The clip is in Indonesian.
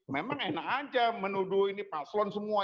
memang enak aja menuduh ini paslon semua